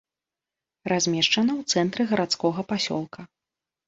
Размешчана ў цэнтры гарадскога пасёлка.